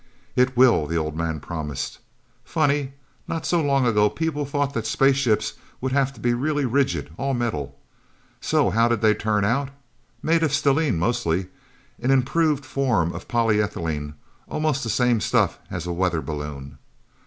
"It will," the old man promised. "Funny not so long ago people thought that space ships would have to be really rigid all metal. So how did they turn out? Made of stellene, mostly an improved form of polyethylene almost the same stuff as a weather balloon."